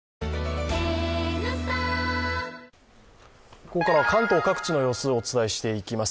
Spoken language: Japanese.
ここからは関東各地の様子をお伝えしていきます。